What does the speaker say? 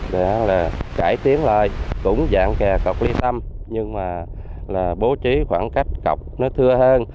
để là cải tiến lại cũng dạng kè cọc ly tâm nhưng mà là bố trí khoảng cách cọc nó thưa hơn